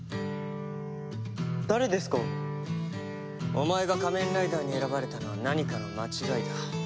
お前が仮面ライダーに選ばれたのは何かの間違いだ。